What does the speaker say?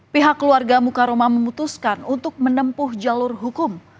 pihak keluarga mukaroma memutuskan untuk menempuh jalur hukum